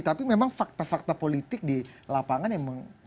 tapi memang fakta fakta politik di lapangan yang